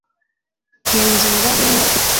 Genzura urebe niba ufite